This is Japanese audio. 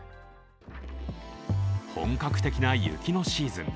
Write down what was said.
本格的な雪のシーズン。